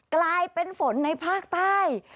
กลายเป็นฝนในภาคใต้